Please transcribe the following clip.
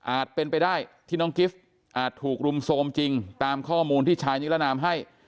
เป็นไปได้ที่น้องกิฟต์อาจถูกรุมโทรมจริงตามข้อมูลที่ชายนิรนามให้